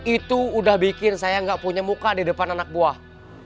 itu udah bikin saya gak punya muka di depan anak buah